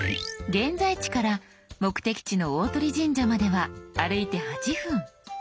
「現在地」から目的地の「大鳥神社」までは歩いて８分。